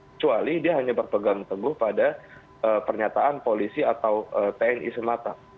kecuali dia hanya berpegang teguh pada pernyataan polisi atau tni semata